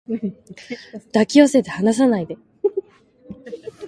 抱き寄せて離さないで